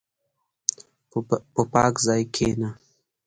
په پاک ځای کښېنه.